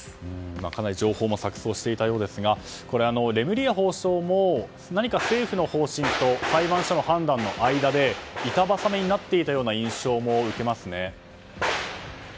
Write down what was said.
かなり情報も錯綜していたようですがレムリヤ法相も何か、政府の方針と裁判所の判断の間で板挟みになっていたような印象も受けますね。